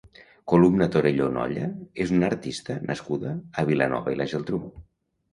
Columna Torelló Nolla és una artista nascuda a Vilanova i la Geltrú.